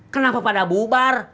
kenapa pada bubar